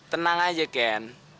tenang aja ken